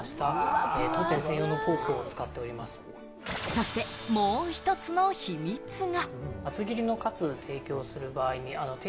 そしてもう１つの秘密が。